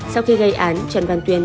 sau khi gây án trần văn tuyên